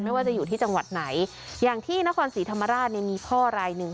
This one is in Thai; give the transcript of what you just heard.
ไม่ว่าจะอยู่ที่จังหวัดไหนอย่างที่นครศรีธรรมราชเนี่ยมีพ่อรายหนึ่ง